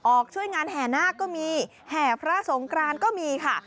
ช่วยงานแห่นาคก็มีแห่พระสงกรานก็มีค่ะ